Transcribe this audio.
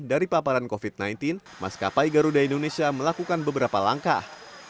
dari paparan covid sembilan belas maskapai garuda indonesia melakukan beberapa langkah